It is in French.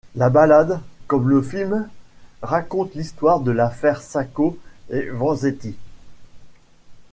La ballade, comme le film, raconte l'histoire de l'Affaire Sacco et Vanzetti.